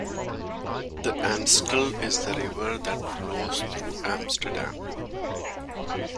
The Amstel is the river that flows through Amsterdam.